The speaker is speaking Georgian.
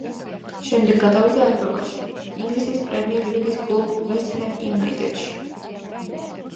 შემდეგ გადავიდა ევროპაში, ინგლისის პრემიერ ლიგის კლუბ „ვესტ ჰემ იუნაიტედში“.